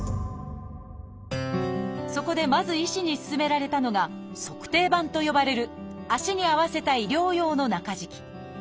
そこでまず医師に勧められたのが「足底板」と呼ばれる足に合わせた医療用の中敷き。